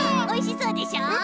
おいしそうでしょ？